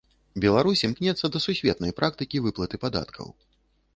Беларусь імкнецца да сусветнай практыкі выплаты падаткаў.